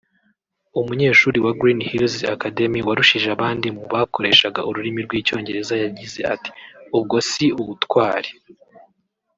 umunyeshuri wa Green Hills Academy warushije abandi mu bakoreshaga ururimi rw’Icyongereza yagize ati” ubwo si ubutwari